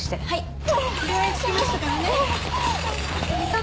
はい。